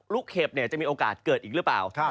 เห็บจะมีโอกาสเกิดอีกหรือเปล่า